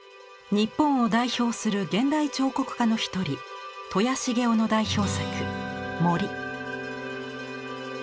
日本を代表する現代彫刻家の一人戸谷成雄の代表作「森」。